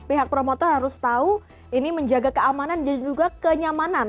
pihak promotor harus tahu ini menjaga keamanan dan juga kenyamanan